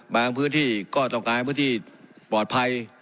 พื้นที่ก็ต้องการให้พื้นที่ปลอดภัย